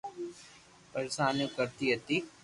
پرآݾون ڪرتي ھتي